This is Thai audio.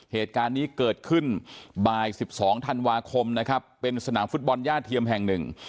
เหตุการณ์นี้เกิดขึ้นบ่าย๑๒ธันวาคมนะครับเป็นสนามฟุตบอลย่าเทียมแห่งหนึ่ง